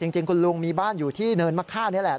จริงคุณลุงมีบ้านอยู่ที่เนินมะค่านี้แหละ